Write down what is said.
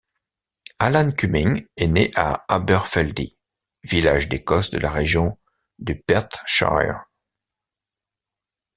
Alan Cumming est né à Aberfeldy, village d'Écosse de la région du Perthshire.